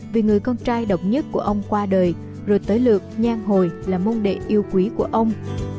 vì người con trai độc nhất của ông qua đời rồi tới lượt nhang hồi là môn đệ yêu quý của ông